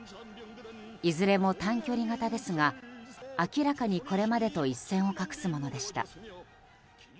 いずれも短距離型ですが明らかにこれまでと一線を画すものでした。